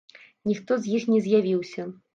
Ніхто з іх не з'явіўся.